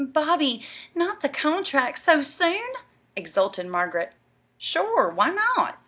"Bobby, not the contract so soon!" exulted Margaret. "Sure! Why not?